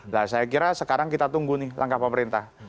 nah saya kira sekarang kita tunggu nih langkah pemerintah